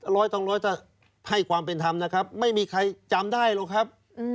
ร้อยต้องร้อยถ้าให้ความเป็นธรรมนะครับไม่มีใครจำได้หรอกครับ